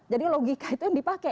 jadi logika itu yang dipakai